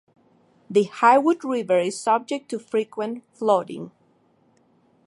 The Highwood River is subject to frequent flooding.